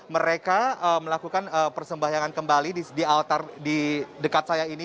mereka melakukan persembahyangan kembali di dekat saya ini